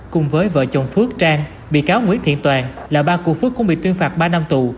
cùng với vợ chồng phước trang bị cáo nguyễn thiện toàn là ba cụ phước cũng bị tuyên phạt ba năm tù